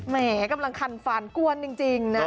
แหมกำลังคันฟานกวนจริงนะ